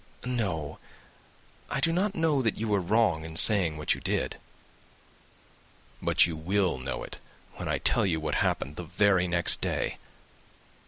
"No I do not know that you were wrong in saying what you did." "But you will know it, when I have told you what happened the very next day."